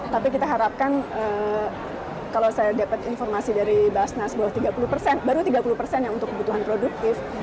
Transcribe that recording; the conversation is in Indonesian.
tapi kita harapkan kalau saya dapat informasi dari basnas bahwa tiga puluh persen baru tiga puluh persen yang untuk kebutuhan produktif